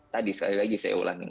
tadi sekali lagi saya ulangi